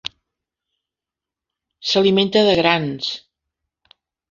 S'alimenta de grans.